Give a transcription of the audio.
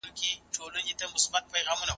د ټولني ذوق ته باید سم جهت ورکړو.